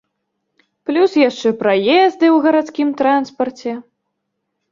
Плюс яшчэ праезды ў гарадскім транспарце.